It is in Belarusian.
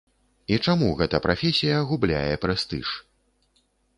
І чаму гэта прафесія губляе прэстыж?